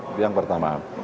itu yang pertama